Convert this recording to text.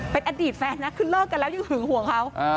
เป็นอดีตแฟนนะคือเลิกกันแล้วยังหึงห่วงเขา